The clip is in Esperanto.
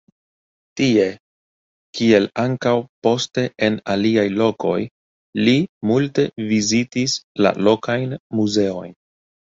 Tie, kiel ankaŭ poste en aliaj lokoj li multe vizitis la lokajn muzeojn.